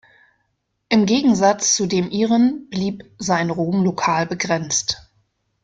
Im Gegensatz zu dem ihren blieb sein Ruhm lokal begrenzt.